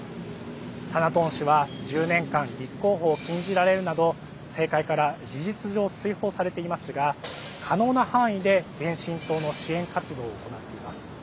タナトーン氏は、１０年間立候補を禁じられるなど政界から、事実上追放されていますが可能な範囲で前進党の支援活動を行っています。